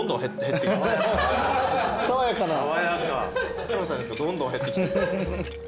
勝村さんのやつがどんどん減ってきてる。